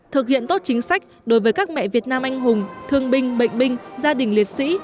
thực hiện tốt chính sách đối với các mẹ việt nam anh hùng thương binh bệnh binh gia đình liệt sĩ